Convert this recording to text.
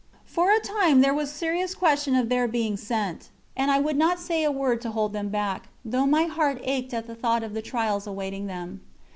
For a time there was serious question of their being sent, and I would not say a word to hold them back, though my heart ached at the thought of the trials awaiting them.